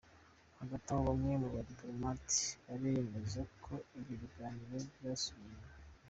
Hagati aho bamwe mu badipolomati baremeza ko ibyo biganiro byasubiye inyuma.